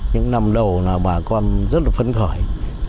những năm đầu là bà con rất là phấn khởi